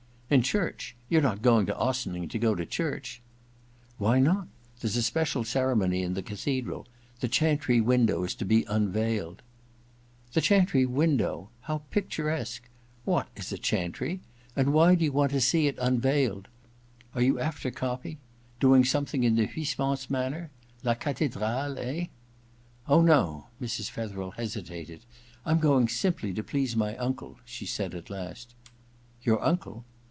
* In church ? You're not going to Ossining to go to church ?'* Why not ? There's a special ceremony in the cathedral — the chantry window is to be unveiled.* io6 EXPIATION IV * The chantry window ? How picturesque ! What is a chantry ? And why do you want to see it unveiled? Are you after copy— doing something in the Huysmans manner? *'La athcdrale," eh ?' *Oh, no.' Mrs. Fetherel hesitated. *rm going simply to please my uncle,' she said, at last. * Your uncle